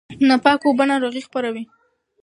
ناپاکه اوبه ناروغي خپروي.